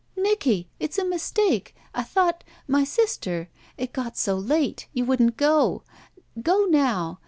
"Nicky! It's a mistake. I thought — ^my sister — It got so late — ^you wouldn't go. Go now!